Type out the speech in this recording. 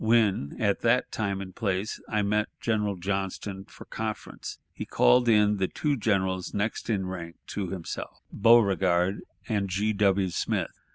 When at that time and place I met General Johnston for conference, he called in the two generals next in rank to himself, Beauregard and G. W. Smith.